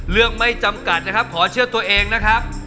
เรื่องไม่จำกัดนะครับขอเชื่อตัวเองนะครับ